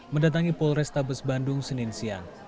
mendatangi polrestabes bandung senin siang